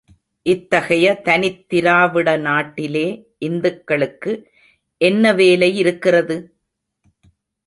இத்தகைய தனித் திராவிட நாட்டிலே இந்துக்களுக்கு என்ன வேலை இருக்கிறது?